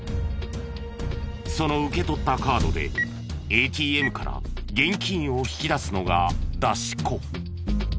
その受け取ったカードでＡＴＭから現金を引き出すのが出し子。